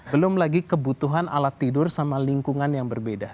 belum lagi kebutuhan alat tidur sama lingkungan yang berbeda